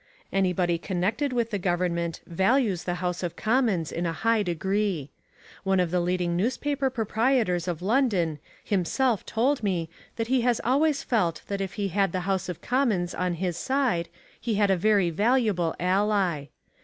Anybody connected with the government values the House of Commons in a high degree. One of the leading newspaper proprietors of London himself told me that he has always felt that if he had the House of Commons on his side he had a very valuable ally.